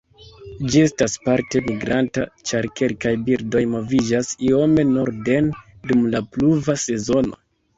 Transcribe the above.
Ĝi estas parte migranta, ĉar kelkaj birdoj moviĝas iome norden dum la pluva sezono.